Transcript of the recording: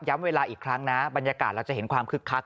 เวลาอีกครั้งนะบรรยากาศเราจะเห็นความคึกคัก